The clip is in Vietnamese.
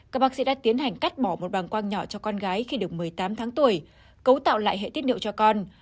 các bác sĩ đã tiến hành cắt bỏ một bàng quang nhỏ cho con gái khi được một mươi tám tháng tuổi cấu tạo lại hệ tiết niệu cho con